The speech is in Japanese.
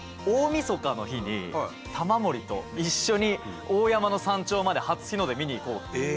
大みそかの日に玉森と一緒に大山の山頂まで「初日の出見に行こう」って。